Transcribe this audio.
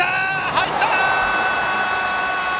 入った！